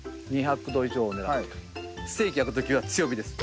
ステーキを焼く時は強火です。